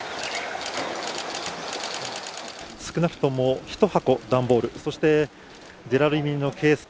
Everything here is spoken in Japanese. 少なくとも、ひと箱ダンボールそしてジェラルミンのケース。